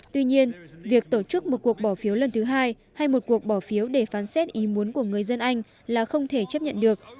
tuy nhiên việc tổ chức một cuộc bỏ phiếu lần thứ hai hay một cuộc bỏ phiếu để phán xét ý muốn của người dân anh là không thể chấp nhận được